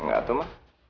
enggak tuh ma